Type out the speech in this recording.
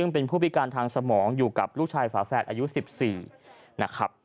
เป็นผู้พิการทางสมองอยู่กับลูกชายฝาแฝดอายุ๑๔นะครับ